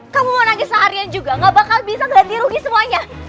kamu mau nangis seharian juga gak bakal bisa ganti rugi semuanya